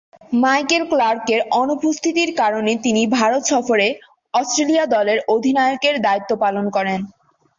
Michael ক্লার্কের অনুপস্থিতির কারণে তিনি ভারত সফরে অস্ট্রেলিয়া দলের অধিনায়কের দায়িত্ব পালন করেন।